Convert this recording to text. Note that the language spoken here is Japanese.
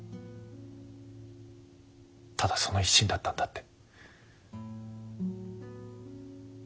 ただその一心だったんだって。